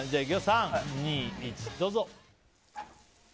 ３、２、１どうぞ。